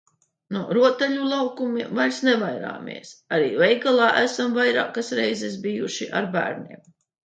No rotaļu laukumiem vairs nevairāmies, arī veikalā esam vairākas reizes bijuši ar bērniem.